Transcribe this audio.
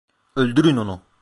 Öldürün onu!